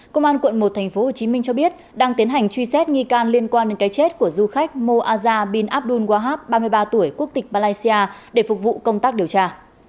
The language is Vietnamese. công an quận một tp hcm cho biết đang tiến hành truy xét nghi can liên quan đến cái chết của du khách mo aza bin abdul wahab ba mươi ba tuổi quốc tịch malaysia để phục vụ công tác điều tra